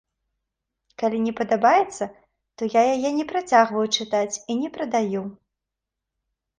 Калі не падабаецца, то я яе не працягваю чытаць і не прадаю.